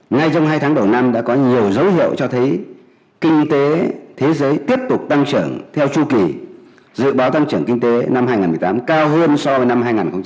nhiều chủ yếu cho thấy kinh tế thế giới tiếp tục tăng trưởng theo chu kỳ dự báo tăng trưởng kinh tế năm hai nghìn một mươi tám cao hơn so với năm hai nghìn một mươi bảy